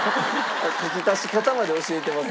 書き足し方まで教えてます。